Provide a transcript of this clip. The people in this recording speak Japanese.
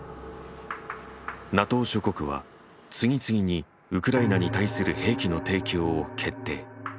ＮＡＴＯ諸国は次々にウクライナに対する兵器の提供を決定。